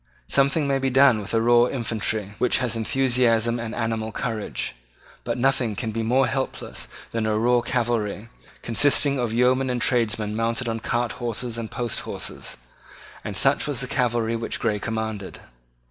Something may be done with a raw infantry which has enthusiasm and animal courage: but nothing can be more helpless than a raw cavalry, consisting of yeomen and tradesmen mounted on cart horses and post horses; and such was the cavalry which Grey commanded.